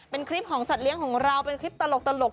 เป็นคลิปของสัตว์เลี้ยงของเราเป็นคลิปตลก